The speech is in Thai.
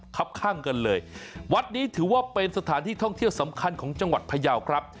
ครับข้างกันเลยวัดนี้ถือว่าเป็นสถานที่ท่องเที่ยวสำคัญของจังหวัดพยาวครับ